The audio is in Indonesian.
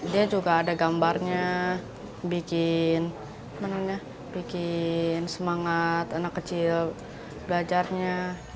dia juga ada gambarnya bikin semangat anak kecil belajarnya